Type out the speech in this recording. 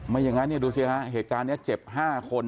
ไม่อย่างนั้นดูสิครับเหตุการณ์นี้เจ็บ๕คน